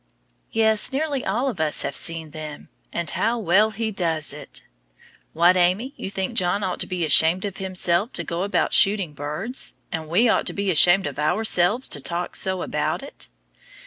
Yes, nearly all of us have seen them, and how well he does it! What, Amy, you think John ought to be ashamed of himself to go about shooting birds, and we ought to be ashamed of ourselves to talk so about it?